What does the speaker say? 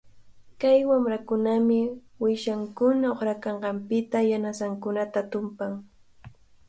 Kay wamrakunami uyshankuna uqranqanpita yanasankunata tumpan.